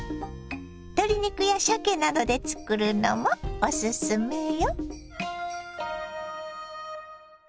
鶏肉やしゃけなどで作るのもおすすめよ。